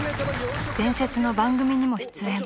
［伝説の番組にも出演］